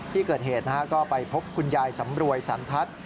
ที่เกิดเหตุก็ไปพบคุณยายสำรวยสันทัศน์